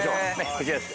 こちらです。